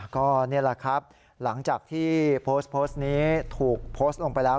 ก็นี่แหละครับหลังจากที่โพสต์โพสต์นี้ถูกโพสต์ลงไปแล้ว